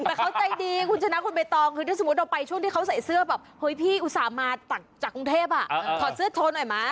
แต่เขาใจดีคุณชนะคุณใบตองคือถ้าสมมุติเราไปช่วงที่เขาใส่เสื้อแบบเฮ้ยพี่อุตส่าห์มาจากกรุงเทพถอดเสื้อโชว์หน่อยไหม